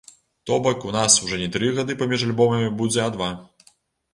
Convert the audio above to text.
То бок у нас ужо не тры гады паміж альбомамі будзе а два.